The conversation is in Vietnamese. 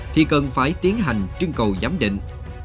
thì cần phải tiến hành trưng cầu giám định